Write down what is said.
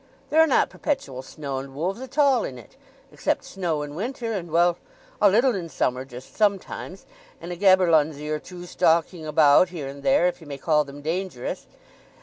"There are not perpetual snow and wolves at all in it!—except snow in winter, and—well—a little in summer just sometimes, and a 'gaberlunzie' or two stalking about here and there, if ye may call them dangerous.